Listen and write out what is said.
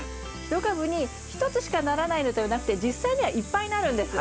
１株に１つしかならないのではなくて実際にはいっぱいなるんです。